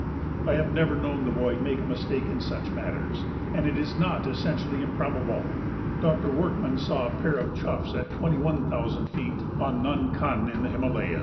I have never known the boy make a mistake in such matters, and it is not essentially improbable. Doctor Workman saw a pair of choughs at twenty one thousand feet, on Nun Kun in the Himalayas.